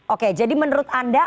oke jadi menurut anda